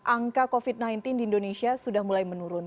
angka covid sembilan belas di indonesia sudah mulai menurun